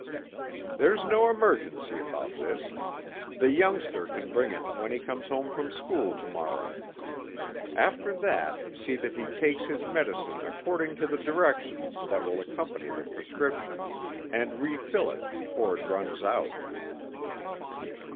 "There's no emergency about this; the youngster can bring it when he comes home from school tomorrow. After that, see that he takes his medicine according to the directions that will accompany the prescription and refill it before it runs out."